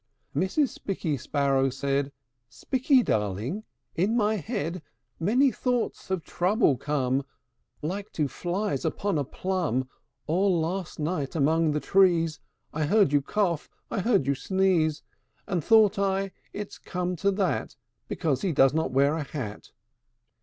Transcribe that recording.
II. Mrs. Spikky Sparrow said, "Spikky, darling! in my head Many thoughts of trouble come, Like to flies upon a plum. All last night, among the trees, I heard you cough, I heard you sneeze; And thought I, 'It's come to that Because he does not wear a hat!'